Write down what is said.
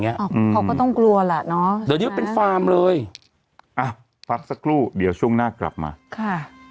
อย่าเป็นความเลยอ่ะสักคู่เดียวช่วงหน้ากลับมาค่ะ